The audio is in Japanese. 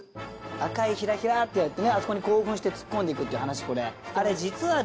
赤いヒラヒラってやってねあそこに興奮して突っ込んでいくっていう話あれ実はですね